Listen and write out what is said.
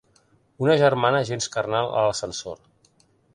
Una germana gens carnal a l'ascensor.